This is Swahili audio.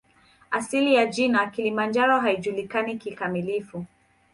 Asili ya jina "Kilimanjaro" haijulikani kikamilifu.